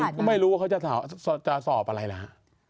ไม่มีก็ไม่รู้ว่าเขาจะสอบอะไรแล้ว